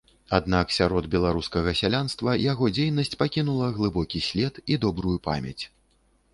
Аднак сярод беларускага сялянства яго дзейнасць пакінула глыбокі след і добрую памяць.